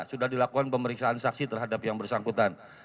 sudah dilakukan pemeriksaan saksi terhadap yang bersangkutan